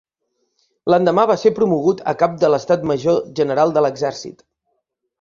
L'endemà va ser promogut a cap de l'estat major general de l'exèrcit.